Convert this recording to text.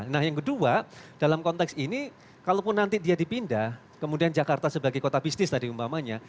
nah yang kedua dalam konteks ini kalaupun nanti dia dipindah kemudian jakarta sebagai kota bisnis tadi umpamanya